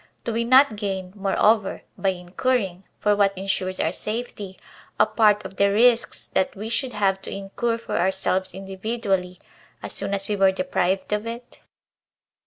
Do we not gain, moreover, by incurring, for what insures our safety, a part of the risks that we should have to incur for ourselves individually, as soon, as we were deprived of it